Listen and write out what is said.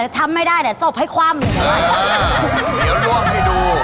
ทำไม่ได้แต่ตบให้คว่ำ